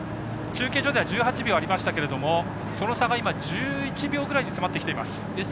中継所では１８秒ありましたけれどもその差が今、１１秒ぐらいに詰まってきています。